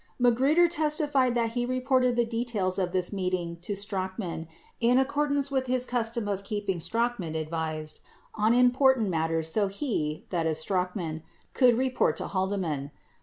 Magruder testified that he reported the details of this meeting to Strachan in accordance with his custom of keeping Strachan advised on important matters so he (Strachan) could report to Haldeman.